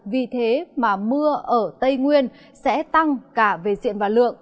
vì thế mà mưa ở tây nguyên sẽ tăng cả về diện và lượng